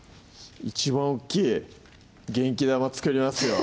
一番大っきい元気玉作りますよ